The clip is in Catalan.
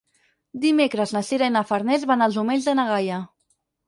Dimecres na Sira i na Farners van als Omells de na Gaia.